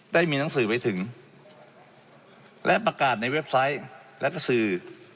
ได้มีหนังสือไปถึงและประกาศในเว็บไซต์และก็สื่อ